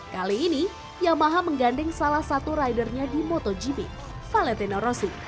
kali ini yamaha mengganding salah satu rider nya di motogp valentino rossi